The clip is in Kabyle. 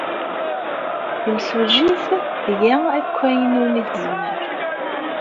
Timsujjit tga akk ayen umi tezmer.